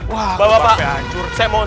wah yang luas n crossing